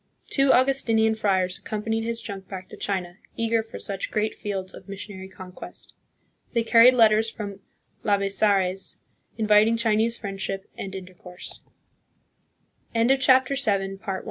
Two Augustinian friars accompanied his junk back to China, eager for such great fields of missionary conquest. They carried letters from Labezares inviting Chinese friendship and interco